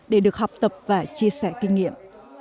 để được học tập và chia sẻ kinh nghiệm